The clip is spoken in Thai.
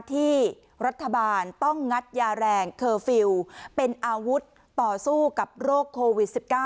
ที่รัฐบาลต้องงัดยาแรงเคอร์ฟิลล์เป็นอาวุธต่อสู้กับโรคโควิด๑๙